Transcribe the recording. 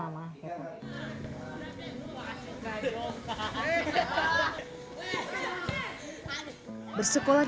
aku tanya kenapa tidak sekolah gitu